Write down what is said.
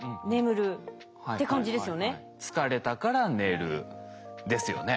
「疲れたから寝る」ですよね。